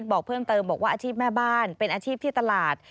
บอกเพิ่มเติมบอกว่าอาชีพแม่บ้านเป็นอาชีพที่ตลาด